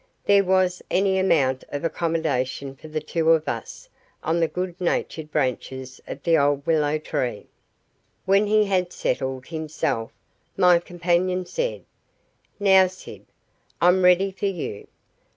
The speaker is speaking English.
There was any amount of accommodation for the two of us on the good natured branches of the old willow tree. When he had settled himself, my companion said, "Now, Syb, I'm ready for you.